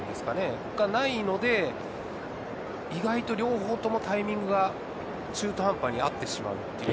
それがないので、意外と両方ともタイミングが中途半端に合ってしまう。